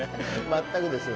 全くです。